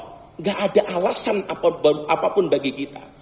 tidak ada alasan apapun bagi kita